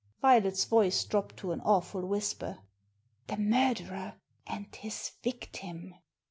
" Violet's voice dropped to an awful whisper. " The murderer and his victim."